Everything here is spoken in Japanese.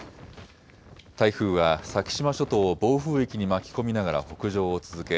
台風は先島諸島を暴風域に巻き込みながら北上を続け